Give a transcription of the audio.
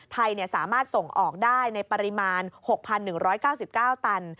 ไทยสามารถส่งออกได้ในปริมาณ๖๑๙๙ตัน